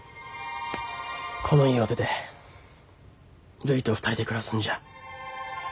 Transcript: この家を出てるいと２人で暮らすんじゃ。